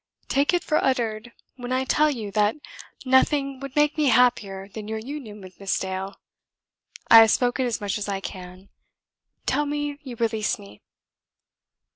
Take it for uttered when I tell you that nothing would make me happier than your union with Miss Dale. I have spoken as much as I can. Tell me you release me."